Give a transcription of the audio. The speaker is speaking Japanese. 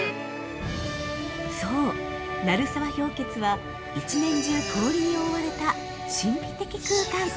◆そう、鳴沢氷穴は１年中、氷に覆われた神秘的空間。